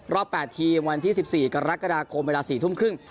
รอบแปดทีมวันที่สิบสี่กรกฎาคมเวลาสี่ทุ่มครึ่ง